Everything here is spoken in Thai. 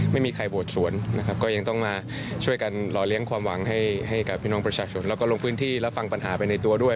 ไม่มีใครบวชสวนนะครับก็ยังต้องมาช่วยกันหล่อเลี้ยงความหวังให้กับพี่น้องประชาชนแล้วก็ลงพื้นที่รับฟังปัญหาไปในตัวด้วย